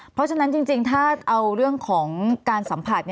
เพราะฉะนั้นจริงถ้าเอาเรื่องของการสัมผัส